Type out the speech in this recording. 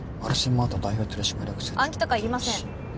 マート代表取締役社長暗記とかいりません